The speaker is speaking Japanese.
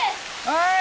はい！